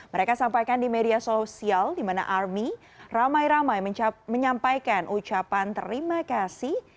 mereka sampaikan di media sosial di mana army ramai ramai menyampaikan ucapan terima kasih